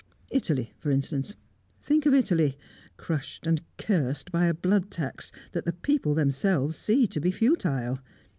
Italy, for instance. Think of Italy, crushed and cursed by a blood tax that the people themselves see to be futile.